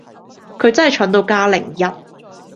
佢真係蠢到加零一